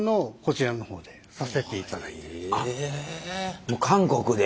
あっもう韓国で。